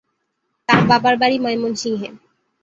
তার বাবার বাড়ি ময়মনসিংহে।